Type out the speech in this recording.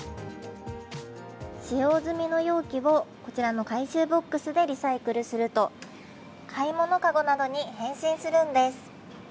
使用済みの容器をこちらの回収ボックスでリサイクルすると買い物かごなどに変身するんです。